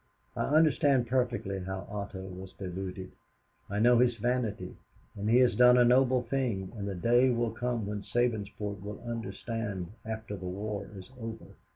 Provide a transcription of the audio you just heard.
I understand perfectly how Otto was deluded. I know his vanity; and he has done a noble thing and the day will come when Sabinsport will understand, after the war is over.